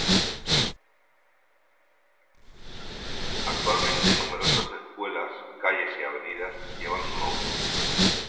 Actualmente numerosas escuelas, calles y avenidas llevan su nombre.